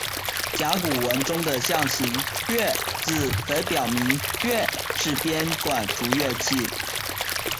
甲骨文中的象形龠字可表明龠是编管竹乐器。